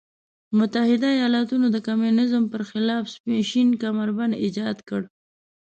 متحده ایالتونو د کمونیزم پر خلاف شین کمربند ایجاد کړ.